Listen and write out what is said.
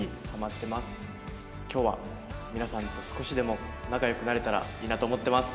今日は皆さんと少しでも仲良くなれたらいいなと思ってます。